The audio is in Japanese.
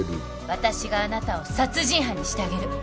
私があなたを殺人犯にしてあげる。